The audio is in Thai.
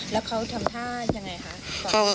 แล้วเขาทำท่ายังไงคะ